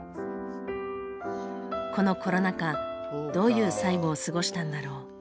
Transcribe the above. このコロナ禍どういう最後を過ごしたんだろう。